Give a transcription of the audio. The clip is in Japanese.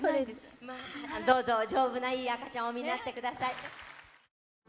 どうぞ丈夫ないい赤ちゃんをお産みになって下さい。